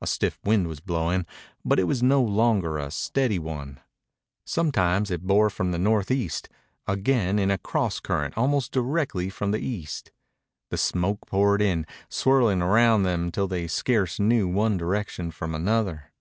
A stiff wind was blowing, but it was no longer a steady one. Sometimes it bore from the northeast; again in a cross current almost directly from the east. The smoke poured in, swirling round them till they scarce knew one direction from another.